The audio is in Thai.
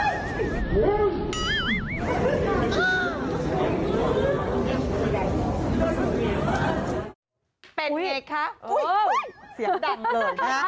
อุ๊ยเสียงดังเลยนะ